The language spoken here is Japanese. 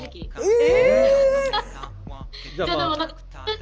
え！